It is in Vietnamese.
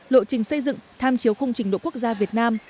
lộ trình xây dựng tham chiếu khung trình độ quốc gia việt nam